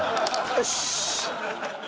よし。